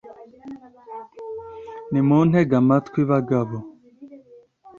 nimuntege amatwi bagabo